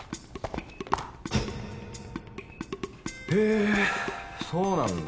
へえそうなんだ。